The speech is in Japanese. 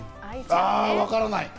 あ、わからない。